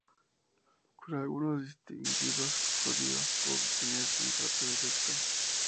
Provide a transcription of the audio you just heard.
Con algunos distinguidos judíos pudo tener un trato directo.